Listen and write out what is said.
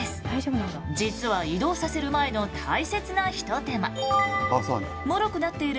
実は移動させる前の大切なひと手間。